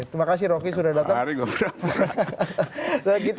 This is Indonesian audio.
terima kasih rocky sudah datang